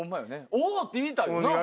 お！って言いたいよな。